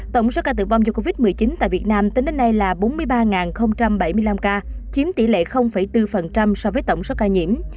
tổng số ca tử vong do covid một mươi chín tại việt nam tính đến nay là bốn mươi ba bảy mươi năm ca chiếm tỷ lệ bốn so với tổng số ca nhiễm